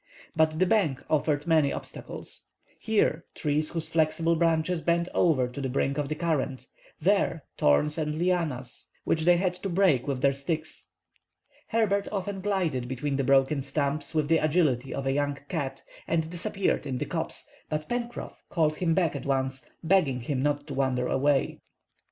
But the bank offered many obstacles. Here, trees whose flexible branches bent over to the brink of the current; there, thorns and lianas which they had to break with their sticks. Herbert often glided between the broken stumps with the agility of a young cat and disappeared in the copse, but Pencroff called him back at once, begging him not to wander away.